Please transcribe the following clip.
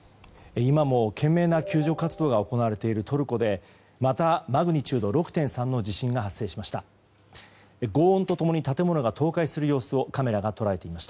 今も懸命な救助活動が行われているトルコでまた、マグニチュード６．３の地震が発生しました。